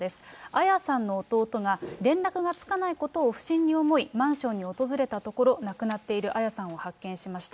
彩さんの弟が、連絡がつかないことを不審に思い、マンションに訪れたところ、亡くなっている彩さんを発見しました。